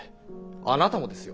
あなたもですよ。